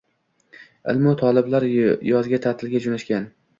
Ilmu toliblar yozgi taʼtilga joʻnashgan